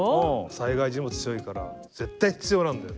災害時も強いから絶対必要なんだよ。